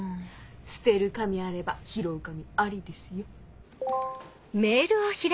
「捨てる神あれば拾う神あり」ですよ。